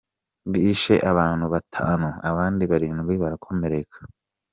Bishe abantu batanu abandi barindwi barakomeraka.